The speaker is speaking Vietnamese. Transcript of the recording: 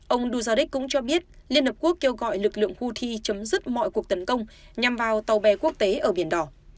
ông duzade cũng cho biết liên hợp quốc kêu gọi lực lượng houthi chấm dứt mọi cuộc tấn công nhằm vào tàu bè quốc tế ở biển đỏ